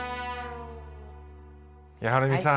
はるみさん